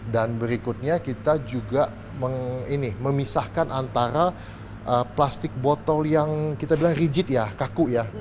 dan berikutnya kita juga memisahkan antara plastik botol yang kita bilang rigid ya kaku ya